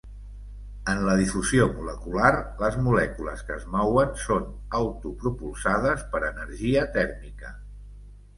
En la difusió molecular, les molècules que es mouen són autopropulsades per energia tèrmica.